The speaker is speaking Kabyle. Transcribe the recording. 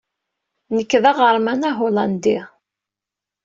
Nekk d aɣerman ahulandi.